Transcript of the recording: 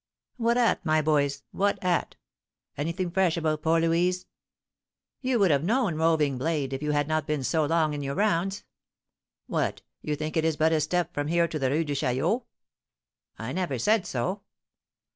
"What at, my boys? what at? Anything fresh about poor Louise?" "You would have known, roving blade, if you had not been so long in your rounds." "What, you think it is but a step from here to the Rue de Chaillot?" "I never said so."